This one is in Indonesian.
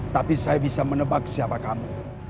tapi saya bisa menebak siapa kamu